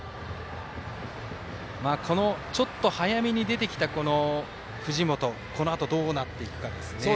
早めに出てきた藤本、このあとどうなっていくかですね。